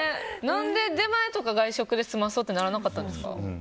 何で出前とか外食で済まそうってならなかったんですか？